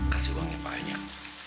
kasih uang yang banyak